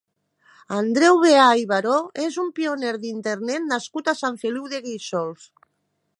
Andreu Veà i Baró és un pioner d'Internet nascut a Sant Feliu de Guíxols.